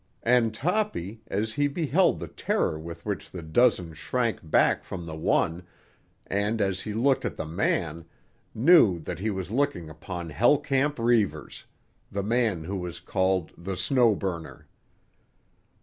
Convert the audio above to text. And Toppy, as he beheld the terror with which the dozen shrank back from the one, and as he looked at the man, knew that he was looking upon Hell Camp Reivers, the man who was called The Snow Burner.